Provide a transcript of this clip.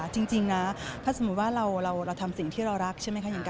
จริงนะถ้าสมมุติว่าเราทำสิ่งที่เรารักใช่ไหมคะ